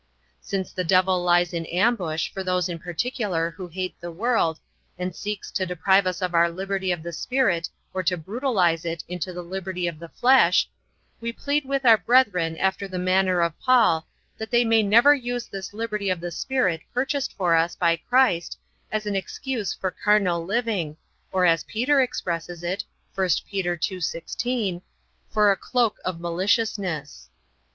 Since the devil lies in ambush for those in particular who hate the world, and seeks to deprive us of our liberty of the spirit or to brutalize it into the liberty of the flesh, we plead with our brethren after the manner of Paul, that they may never use this liberty of the spirit purchased for us by Christ as an excuse for carnal living, or as Peter expresses it, I Peter 2:16, "for a cloak of maliciousness."